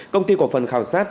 công ty cổ phần khảo sát